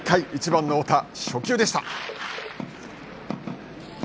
１番の太田初球でした。